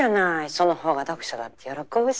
その方が読者だって喜ぶし。